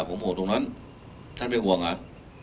ผมห่วงตรงนั้นท่านไม่ห่วงอ่ะ